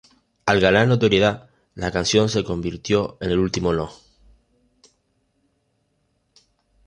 Al ganar notoriedad, la canción se convirtió en el último No.